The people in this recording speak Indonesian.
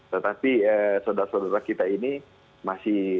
tetapi saudara saudara kita ini masih